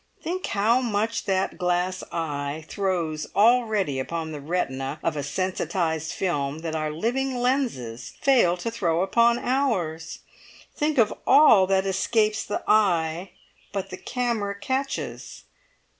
Think how much that glass eye throws already upon the retina of a sensitised film that our living lenses fail to throw upon ours; think of all that escapes the eye but the camera catches.